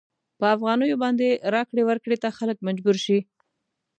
په افغانیو باندې راکړې ورکړې ته خلک مجبور شي.